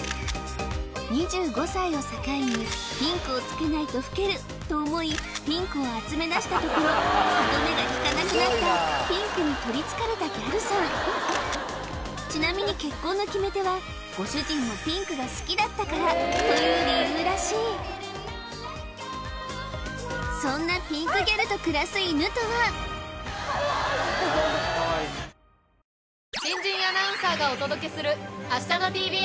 ２５歳を境にピンクをつけないと老けると思いピンクを集めだしたところ歯止めがきかなくなったピンクにとりつかれたギャルさんちなみに結婚の決め手はご主人もピンクが好きだったからという理由らしいそんなピンクギャルと暮らす犬とは実家の近所にちなみにそうなんです